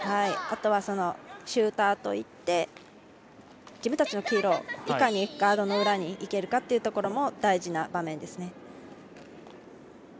あとはシューターといって自分たちの黄色いかにガードの裏にいけるかというところも大事な場面ですね。